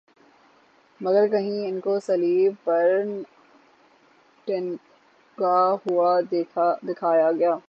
مگر کہیں انکو صلیب پر ٹنگا ہوا دکھایا گیا